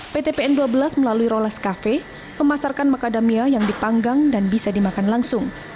pt pn dua belas melalui roles cafe memasarkan macadamia yang dipanggang dan bisa dimakan langsung